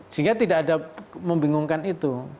sehingga tidak ada membingungkan itu